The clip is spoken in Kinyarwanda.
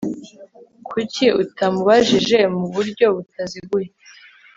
Kuki utamubajije mu buryo butaziguye